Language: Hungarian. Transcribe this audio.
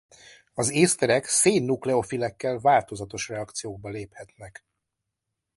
Az észterek szén nukleofilekkel változatos reakciókba léphetnek.